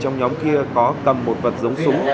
trong nhóm kia có tầm một vật giống súng